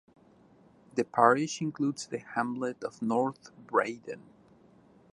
The parish includes the hamlet of North Bradon.